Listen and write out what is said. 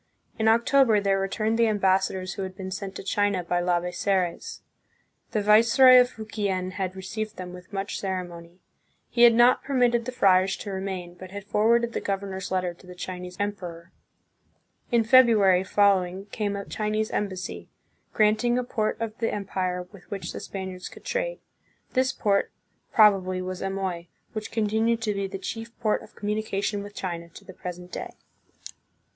In October there returned the ambassadors who had been sent to China by Labezares. The viceroy of Fukien had received them with much ceremony. He had not permitted the friars to remain, but had forwarded the governor's letter to the Chinese emperor. In Febru ary following came a Chinese embassy, granting a port of the empire with which the Spaniards could trade. This port, probably, was Amoy, which continued to be the chief port of communication with China to the present day.